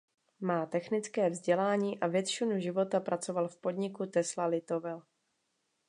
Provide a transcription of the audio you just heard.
Má technické vzdělání a většinu života pracoval v podniku Tesla Litovel.